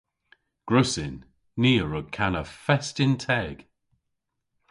Gwrussyn. Ni a wrug kana fest yn teg.